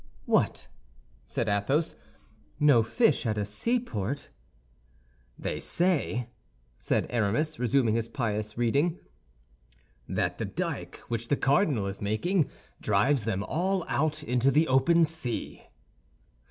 "What," said Athos, "no fish at a seaport?" "They say," said Aramis, resuming his pious reading, "that the dyke which the cardinal is making drives them all out into the open sea."